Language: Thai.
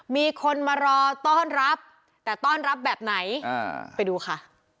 มีคนมารอต้อนรับแต่ต้อนรับแบบไหนไปดูค่ะ